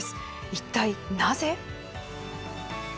一体、なぜ。